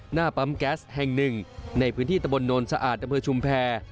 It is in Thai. หน้าปั๊มแก๊สแห่งหนึ่งในพื้นที่ตะบนโนนสะอาดอำเภอชุมแพร